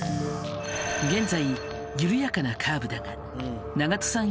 現在緩やかなカーブだが長門さん